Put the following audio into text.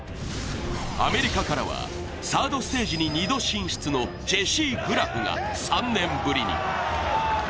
アメリカからはサードステージに２度進出のジェシー・グラフが３年ぶりに。